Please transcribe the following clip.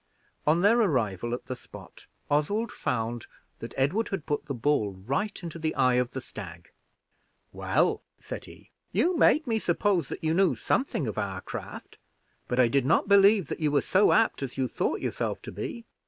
On their arrival at the spot, Oswald found that Edward had put the ball right into the eye of the stag. "Well," said he, "you made me suppose that you knew something of our craft, but I did not believe that you were so apt as you thought yourself to be.